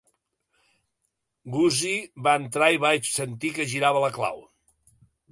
Gussie va entrar i vaig sentir que girava la clau.